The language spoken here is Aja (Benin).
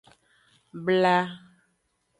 Bla.